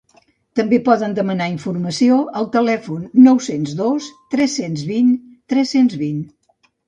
També poden demanar informació al telèfon nou-cents dos tres-cents vint tres-cents vint.